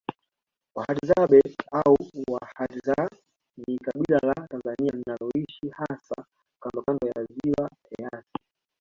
Wahadzabe au Wahadza ni kabila la Tanzania linaloishi hasa kandooando ya ziwa Eyasi